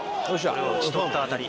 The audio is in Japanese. これは打ち取った当たり。